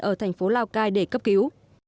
ở thành phố lào cai để cấp cứu